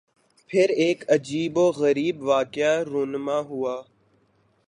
پھر ایک عجیب و غریب واقعہ رُونما ہوا